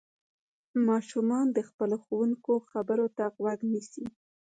ماشومان د خپلو ښوونکو خبرو ته غوږ نيسي.